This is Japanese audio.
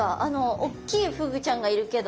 おっきいフグちゃんがいるけど。